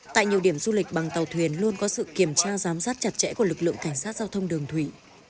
tại nhiều điểm du lịch bằng tàu thuyền luôn có sự kiểm tra giám sát chặt chẽ của lực lượng cảnh sát giao thông đường thủy